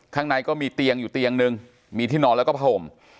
ข้างในก็มีเตียงอยู่เตียงนึงมีที่นอนแล้วก็ผ้าห่ม